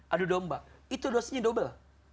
adu domba itu dosisnya double